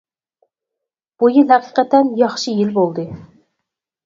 بۇ يىل ھەقىقەتەن ياخشى يىل بولدى.